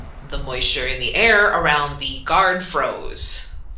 The moisture in the air around the guard froze.